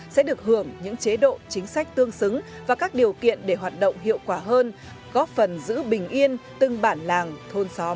sẽ được hưởng những chế độ chính sách tương xứng và các điều kiện để hoạt động hiệu quả hơn góp phần giữ bình yên từng bản làng thôn xóm